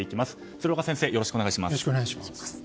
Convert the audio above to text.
鶴岡先生、よろしくお願いします。